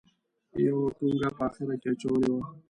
یوه ټونګه په اخره کې اچولې وه.